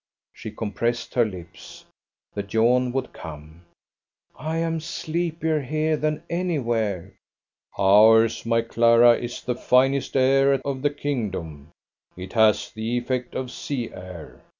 She compressed her lips. The yawn would come. "I am sleepier here than anywhere." "Ours, my Clara, is the finest air of the kingdom. It has the effect of sea air."